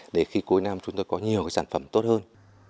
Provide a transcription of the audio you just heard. để khi cuối năm chúng tôi có nhiều cái sản phẩm tốt hơn